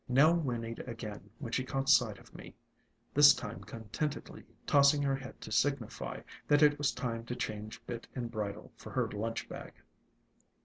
Nell whinnied again when she caught sight of me, this time contentedly tossing her head to signify that it was time to change bit and bridle for her lunch bag.